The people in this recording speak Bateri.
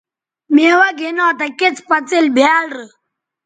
میوہ گِھنا تہ کڅ پڅئیل بھیال رے